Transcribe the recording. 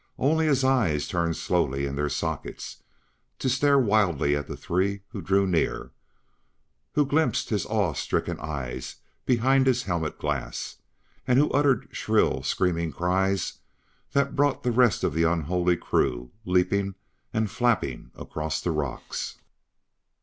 Only his eyes turned slowly in their sockets to stare wildly at the three who drew near; who glimpsed his awe stricken eyes behind his helmet glass; and who uttered shrill, screaming cries that brought the rest of the unholy crew leaping and flapping across the rocks.